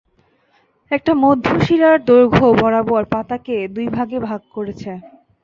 একটা মধ্য-শিরা দৈর্ঘ্য বরাবর পাতাকে দুই ভাগে ভাগ করেছে।